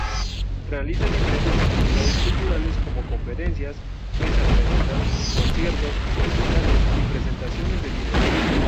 Realiza diferentes actividades culturales como conferencias, mesas redondas, conciertos, recitales y presentaciones de libros.